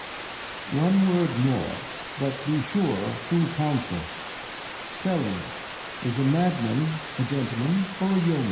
Lear. One Word more, but be sure true Councel ; tell me, is a Madman a Gentleman, or a Yeoman